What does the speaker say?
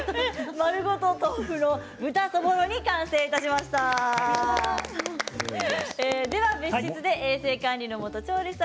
丸ごと豆腐の豚そぼろ煮完成いたしました。